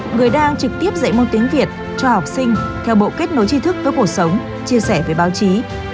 người đang trực tiếp dạy môn tiếng việt cho học sinh theo bộ kết nối trí thức với cuộc sống chia sẻ với báo chí